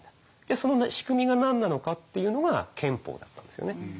その仕組みが何なのかっていうのが憲法だったんですよね。